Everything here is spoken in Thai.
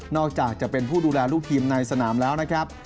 อกจากจะเป็นผู้ดูแลลูกทีมในสนามแล้วนะครับ